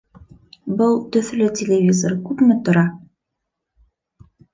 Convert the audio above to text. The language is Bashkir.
Был төҫлө телевизор күпме тора?